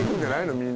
みんな。